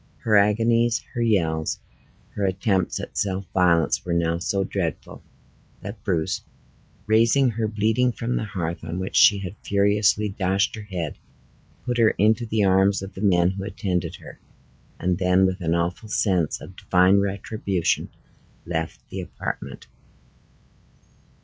Her agonies, her yells, her attempts at self violence, were now so dreadful, that Bruce, raising her bleeding from the hearth on which she had furiously dashed her head, put her into the arms of the men who attended her, and then, with an awful sense of Divine retribution, left the apartment.